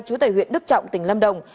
chú tại huyện đức trọng tỉnh lâm đồng